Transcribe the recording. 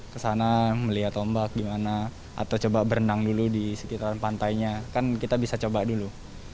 kesana melihat ombak gimana atau coba berenang dulu di sekitar pantainya kan kita bisa coba dulu